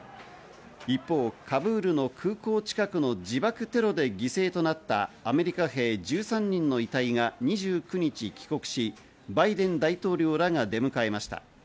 一方、カブールの空港近くの自爆テロで犠牲となったアメリカ兵１３人の遺体が２９日帰国し、バイデン大統領らが出迎えました。